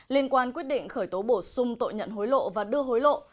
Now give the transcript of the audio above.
liên quan quyết định khởi tố bổ sung tội nhận hối lộ và đưa hối lộ